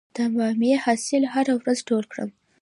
د بامیې حاصل هره ورځ ټول کړم؟